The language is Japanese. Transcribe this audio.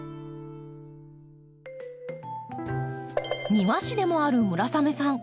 庭師でもある村雨さん。